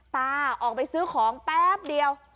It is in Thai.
ตาออกไปซื้อของแป๊บเดียว